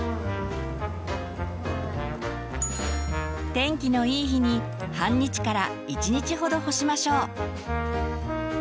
天気のいい日に半日から１日ほど干しましょう。